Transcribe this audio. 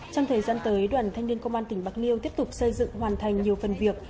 trong thời gian tới đoàn thanh niên công an tỉnh bạc liêu tiếp tục xây dựng hoàn thành nhiều phần việc